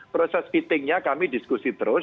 proses fittingnya kami diskusi terus